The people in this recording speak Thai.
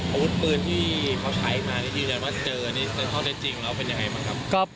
อาวุธปืนที่เค้าใช้มาและว่าเจอกันในเซ็นทรัลเตอร์จริงแล้วเป็นยังไงบ้างครับ